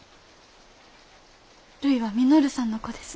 るいは稔さんの子です。